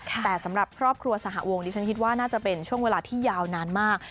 แต่สำหรับครอบครัวสหวงดิฉันคิดว่าน่าจะเป็นช่วงเวลาที่ยาวนานมาก